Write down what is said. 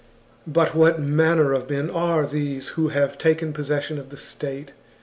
" But what manner of men are these who have taken possession of the state?